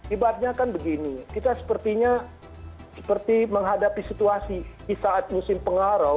ibaratnya kan begini kita sepertinya seperti menghadapi situasi di saat musim pengarau